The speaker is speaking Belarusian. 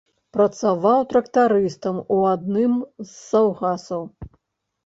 Працаваў трактарыстам у адным з саўгасаў.